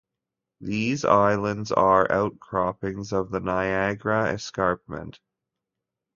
These islands are outcroppings of the Niagara Escarpment.